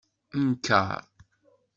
Nker!